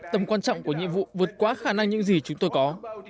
tầm quan trọng của nhiệm vụ vượt qua khả năng những gì chúng tôi có